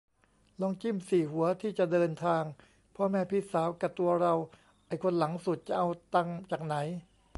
ลองจิ้มสี่หัวที่จะเดินทาง พ่อ แม่ พี่สาว กะตัวเรา ไอ้คนหลังสุดจะเอาตังค์จากไหน